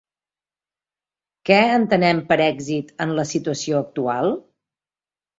Què entenem per èxit en la situació actual?